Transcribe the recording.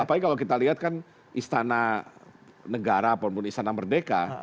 apalagi kalau kita lihat kan istana negara apapun istana merdeka